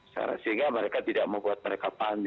sehingga mereka tidak membuat mereka panik